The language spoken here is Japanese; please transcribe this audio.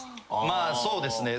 まあそうですね